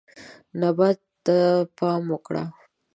نبات ته پام وکړه.